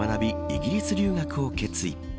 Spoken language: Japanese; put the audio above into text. イギリス留学を決意。